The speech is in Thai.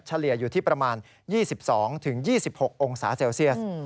เฉลี่ยอยู่ที่ประมาณ๒๒๒๖องศาเซลเซียส